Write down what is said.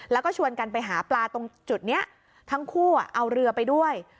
แล้วก็ชวนกันไปหาปลาตรงจุดนี้ทั้งคู่เอาเรือไปด้วย